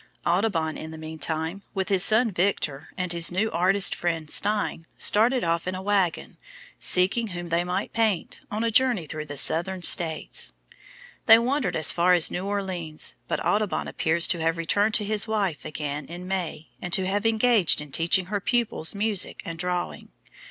Audubon, in the meantime, with his son Victor, and his new artist friend, Stein, started off in a wagon, seeking whom they might paint, on a journey through the southern states. They wandered as far as New Orleans, but Audubon appears to have returned to his wife again in May, and to have engaged in teaching her pupils music and drawing.